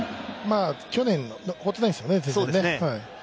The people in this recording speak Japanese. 去年、放っていないんですよね、全然。